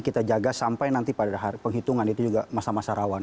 kita jaga sampai nanti pada penghitungan itu juga masyarakat masyarakat